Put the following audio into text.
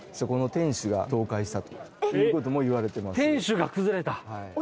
天守が崩れた。